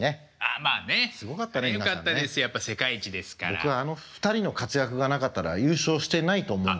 僕はあの２人の活躍がなかったら優勝してないと思うんですよ。